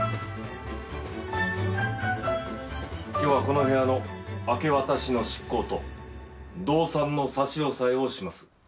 今日はこの部屋の明け渡しの執行と動産の差し押さえをします。